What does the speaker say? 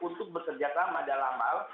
untuk bekerja sama dalam hal